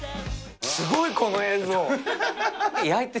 すごい、この映像。